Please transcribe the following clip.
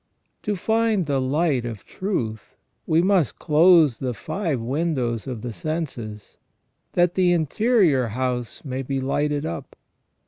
To find the light of truth, we must close the five windows of the senses, that the interior house may be lighted up.